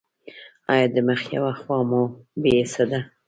ایا د مخ یوه خوا مو بې حسه ده؟